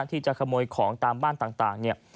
ที่จะขโมยของตามบ้านต่าง